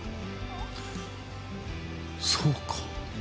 そうか。